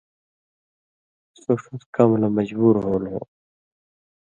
سو ݜس کمہۡ لہ مجبُور ہول ہو۔